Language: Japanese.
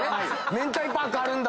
めんたいパークあるんだ！